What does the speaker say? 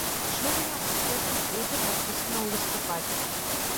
Рашэнне аб гэтым будзе падпісана ў лістападзе.